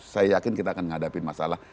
saya yakin kita akan menghadapi masalah